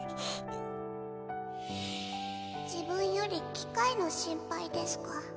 自分より機械の心配ですか？